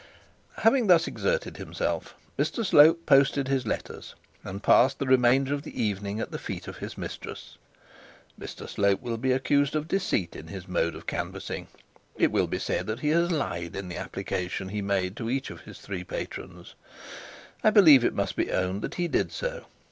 Having thus exerted himself, Mr Slope posted his letters, and passed the remainder of the evening at the feet of his mistress. Mr Slope will be accused of deceit in his mode of canvassing. It will be said that he lied in the application he made to each of his three patrons. I believe it must be owned that he did so.